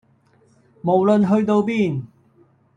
無論去到邊